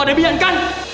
ini dimana mas